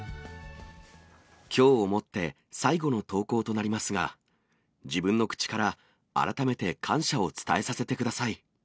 きょうをもって最後の投稿となりますが、自分の口から改めて感謝を伝えさせてください。